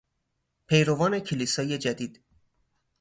پیروان کلیسای جدید